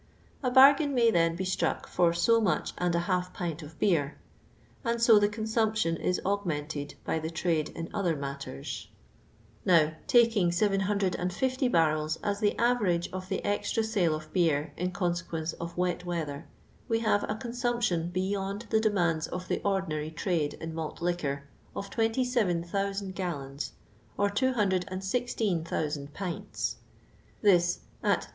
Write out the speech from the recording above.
A bargain may then be struck for so much and a half pint of beer, and so the con sumption is augmented by the trade in other matters. Now, taking 750 barrels as the average of the extra sale of beer in consequence of wet weather, we have a consumption beyond the de mands of the ordinary trade in malt liquor of 27,000 gallons, or 216,000 pints. This, at 2d.